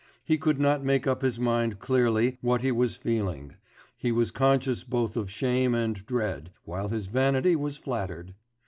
He could not make up his mind clearly what he was feeling; he was conscious both of shame and dread, while his vanity was flattered....